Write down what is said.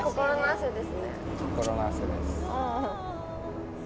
心の汗ですね。